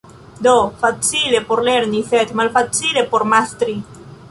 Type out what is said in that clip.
Do, facile por lerni, sed malfacile por mastri.